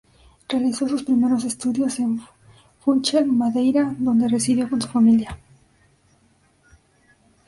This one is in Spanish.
Realizó sus primeros estudios en Funchal, Madeira, donde residió con su familia.